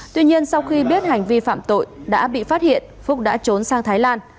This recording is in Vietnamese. tuy nhiên sau khi biết hành vi phạm tội đã bị phát hiện phúc đã trốn sang thái lan